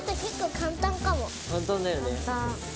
簡単だよね。